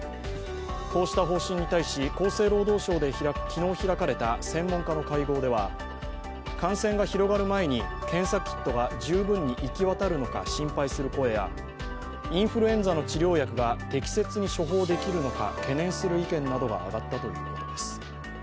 こうした方針に対し、厚生労働省で昨日開かれた専門家の会合では、感染が広がる前に検査キットが十分に行き渡るのか心配する声やインフルエンザの治療薬が適切に処方できるのか、懸念する意見などが上がったということです。